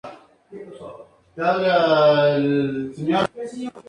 Trabaja en dicho programa por dos temporadas.